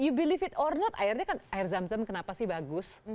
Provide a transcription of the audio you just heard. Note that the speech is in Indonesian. you believe it or not airnya kan air zam zam kenapa sih bagus